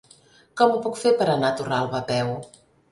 Com ho puc fer per anar a Torralba a peu?